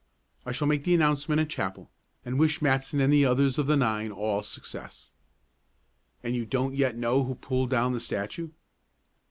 I shall make the announcement at chapel, and wish Matson and the others of the nine all success." "And you don't yet know who pulled down the statue?"